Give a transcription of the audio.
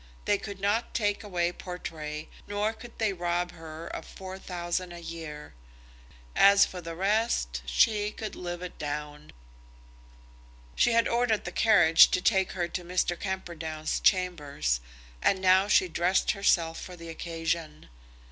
They could not take away Portray, nor could they rob her of four thousand a year. As for the rest, she could live it down. She had ordered the carriage to take her to Mr. Camperdown's chambers, and now she dressed herself for the occasion.